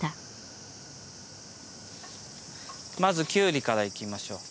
まずきゅうりからいきましょう。